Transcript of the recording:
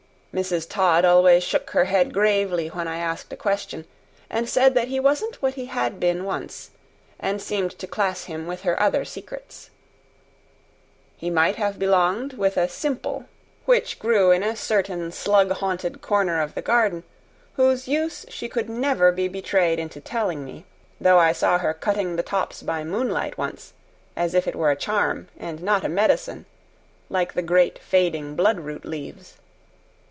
Mrs. Todd always shook her head gravely when I asked a question, and said that he wasn't what he had been once, and seemed to class him with her other secrets. He might have belonged with a simple which grew in a certain slug haunted corner of the garden, whose use she could never be betrayed into telling me, though I saw her cutting the tops by moonlight once, as if it were a charm, and not a medicine, like the great fading bloodroot leaves.